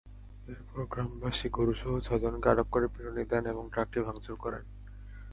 এরপর গ্রামবাসী গরুসহ ছয়জনকে আটক করে পিটুনি দেন এবং ট্রাকটি ভাঙচুর করেন।